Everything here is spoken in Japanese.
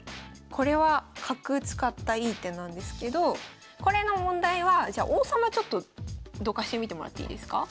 これは角使ったいい手なんですけどこれの問題はじゃあ王様ちょっとどかしてみてもらっていいですか？